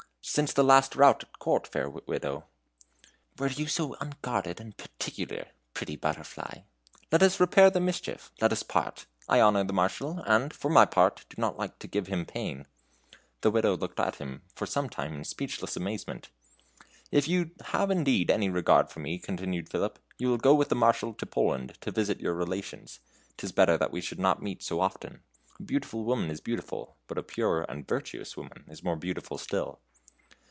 "Since the last rout at Court, fair Widow " "Were you so unguarded and particular pretty butterfly!" "Let us repair the mischief. Let us part. I honor the Marshal, and, for my part, do not like to give him pain." The Widow looked at him for some time in speechless amazement. "If you have indeed any regard for me," continued Philip, "you will go with the Marshal to Poland, to visit your relations. 'Tis better that we should not meet so often. A beautiful woman is beautiful but a pure and virtuous woman is more beautiful still."